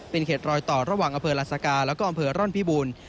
เป็นเขตรอยต่อระหว่างอำเภอลาสกาแล้วก็อำเภอร่อนพิบูรณ์